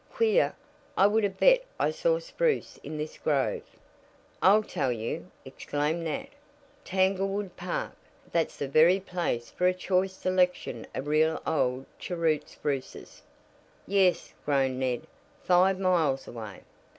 "Queer, I would have bet I saw spruce in this grove." "I'll tell you," exclaimed Nat. "Tanglewood Park. That's the very place for a choice selection of real old cheroot spruces." "Yes," groaned Ned, "five miles away."